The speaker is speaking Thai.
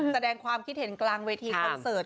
แสดงความคิดเห็นกลางเวทีคอนเสิร์ต